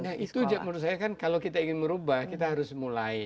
nah itu menurut saya kan kalau kita ingin merubah kita harus mulai